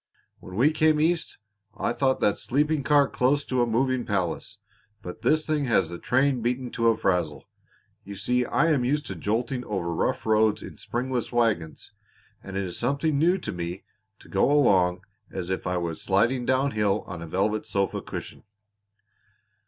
"When we came East I thought that sleeping car close to a moving palace; but this thing has the train beaten to a frazzle. You see I am used to jolting over rough roads in springless wagons, and it is something new to me to go along as if I was sliding down hill on a velvet sofa cushion."